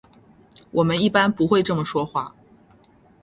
我们一般不会这么说话。